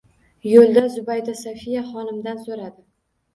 Yo`lda Zubayda Sofiya xonimdan so`radi